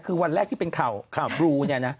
คือวันแรกเป็นข่าวบลู